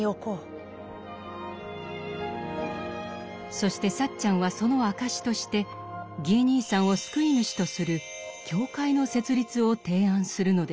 そしてサッチャンはその証しとしてギー兄さんを「救い主」とする教会の設立を提案するのでした。